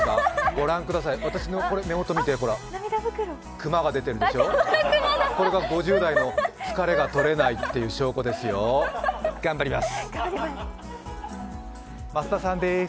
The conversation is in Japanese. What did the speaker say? ご覧ください、私の目元見て、クマが出てるでしょ、これが５０代の疲れが取れないって証拠ですよ、頑張ります！